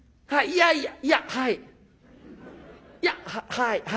いやいやいやはい。